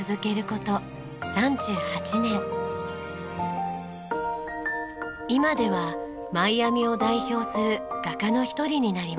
今ではマイアミを代表する画家の一人になりました。